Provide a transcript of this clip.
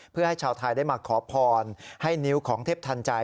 เพื่อให้ชาวไทยได้มาขอพรให้นิ้วของเทพทันใจ